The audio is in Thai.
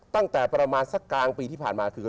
ตั้งแต่ประมาณสักกลางปีที่ผ่านมาคือ